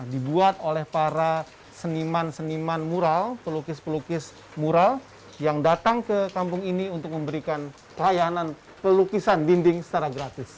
dibuat oleh para seniman seniman mural pelukis pelukis mural yang datang ke kampung ini untuk memberikan pelayanan pelukisan dinding secara gratis